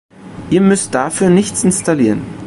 Ihr müsst dafür nichts installieren.